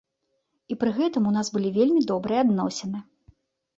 І пры гэтым у нас былі вельмі добрыя адносіны.